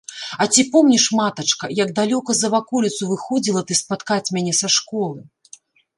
А ці помніш, матачка, як далёка за ваколіцу выходзіла ты спаткаць мяне са школы?